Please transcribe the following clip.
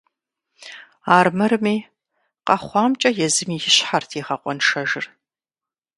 Армырми, къэхъуамкӏэ езым и щхьэрт игъэкъуэншэжыр.